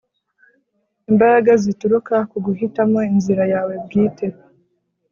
imbaraga zituruka ku guhitamo inzira yawe bwite